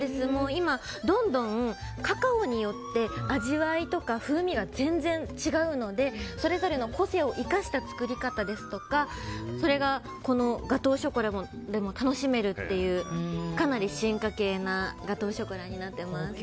今、どんどんカカオによって味わいとか風味が全然違うのでそれぞれの個性を生かした作り方ですとかそれがガトーショコラでも楽しめるっていうかなり進化系なガトーショコラになってます。